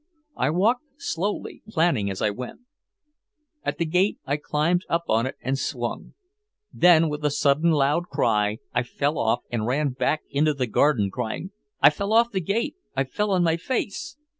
I walked slowly, planning as I went. At the gate I climbed up on it and swung. Then with a sudden loud cry I fell off and ran back into the garden crying, "I fell off the gate! I fell on my face!"